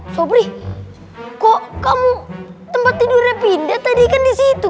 sobri kok kamu tempat tidurnya pindah tadi kan di situ